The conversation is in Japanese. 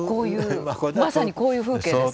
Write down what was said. まさにこういう風景ですか？